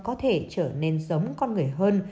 có thể trở nên giống con người hơn